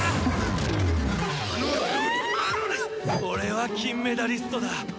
俺は金メダリストだ。